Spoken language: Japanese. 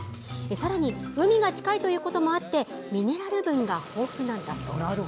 さらに海が近いということもあってミネラル分が豊富なんだそうです。